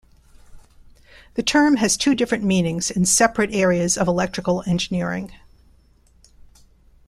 The term has two different meanings in separate areas of electrical engineering.